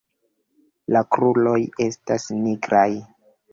La kruroj estas nigraj.